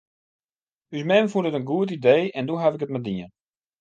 Us mem fûn it in goed idee en doe haw ik it mar dien.